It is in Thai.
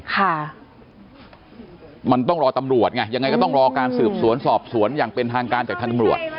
ค่ะมันต้องรอตำรวจไงยังไงก็ต้องรอการสืบสวนสอบสวนอย่างเป็นทางการจากทางตำรวจ